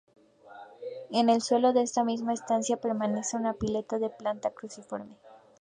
En el suelo de esta misma estancia permanece una pileta de planta cruciforme.